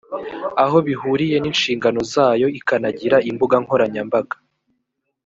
aho bihuriye n inshingano zayo ikanagira imbuga nkoranyambaga